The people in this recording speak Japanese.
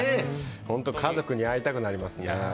ほんと家族に会いたくなりますね。